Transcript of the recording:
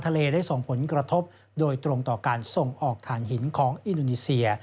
ได้ส่งผลกระทบโดยตรงต่อการส่งออกฐานหินของอินโดนีเซีย